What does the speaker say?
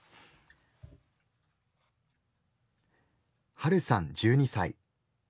はるさん１２歳。